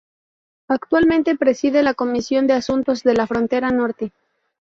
Actualmente preside la comisión de Asuntos de la Frontera Norte.